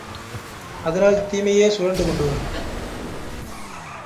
அதனால் தீமையே சுழன்று கொண்டு வரும்.